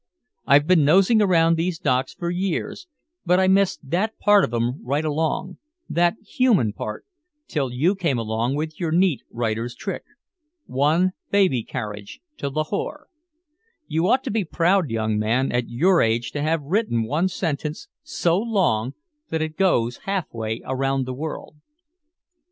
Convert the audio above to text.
I've been nosing around these docks for years, but I missed that part of 'em right along that human part till you came along with your neat writer's trick. 'One baby carriage to Lahore.' You ought to be proud, young man, at your age to have written one sentence so long that it goes half way around the world."